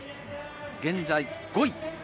現在５位。